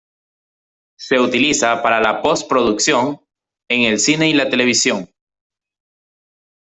Se utiliza para la post-producción en el cine y la televisión.